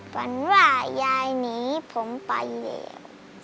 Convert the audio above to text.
ฝันว่ายายหนีผมไปแล้ว